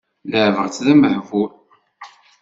Leεbeɣ-tt d amehbul.